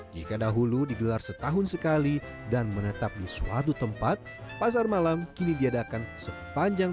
jika dahulu digelar setahun sekali dan menetap di suatu tempat pasar malam kini diadakan sepanjang